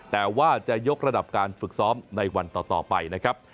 แต่ว่าจะยกระดับการฝึกซ้อมในวันต่อไปนะครับ